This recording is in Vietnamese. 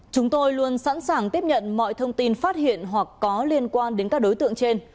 chúng tôi luôn sẵn sàng tiếp nhận mọi thông tin phát hiện hoặc có liên quan đến các đối tượng trên